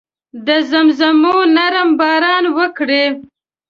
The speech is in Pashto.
د زمزمو نرم باران وکړي